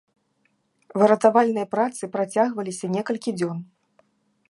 Выратавальныя працы працягваліся некалькі дзён.